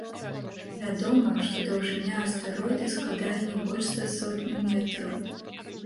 Вядома, што даўжыня астэроіда складае не больш за сотню метраў.